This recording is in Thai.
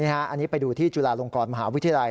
อันนี้ไปดูที่จุฬาลงกรมหาวิทยาลัย